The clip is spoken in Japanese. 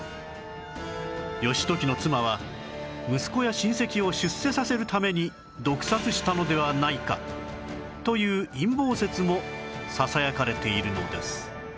義時の妻は息子や親戚を出世させるために毒殺したのではないかという陰謀説もささやかれているのです